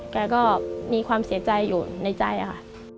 แกก็มีความเสียใจอยู่ในใจค่ะ